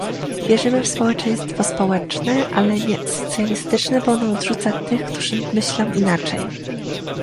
Wierzymy w społeczeństwo społeczne, ale nie socjalistyczne, bo ono odrzuca tych, którzy myślą inaczej